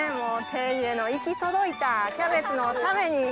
手入れの行き届いたキャベツのために。